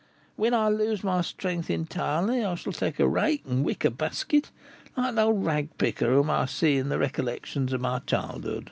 When I lose my strength entirely, I shall take a rake and a wicker basket, like the old rag picker whom I see in the recollections of my childhood."